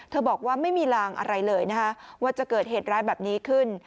บอกว่าไม่มีลางอะไรเลยนะคะว่าจะเกิดเหตุร้ายแบบนี้ขึ้น